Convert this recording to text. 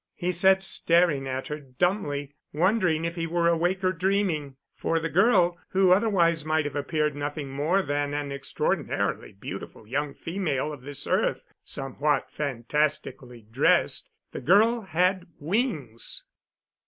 He sat staring at her dumbly, wondering if he were awake or dreaming. For the girl who otherwise might have appeared nothing more than an extraordinarily beautiful young female of this earth, somewhat fantastically dressed the girl had wings!